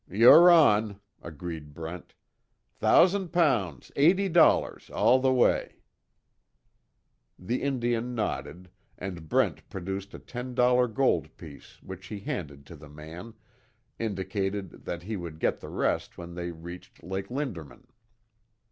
"You're on!" agreed Brent, "Thousand pounds, eighty dollars all the way." The Indian nodded, and Brent produced a ten dollar gold piece which he handed to the man, indicated that he would get the rest when they reached Lake Lindermann.